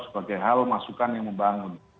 sebagai hal masukan yang membangun